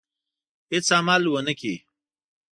هېڅ عمل ونه کړي.